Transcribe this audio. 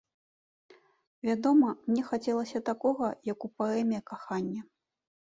Вядома, мне хацелася такога, як у паэме, кахання.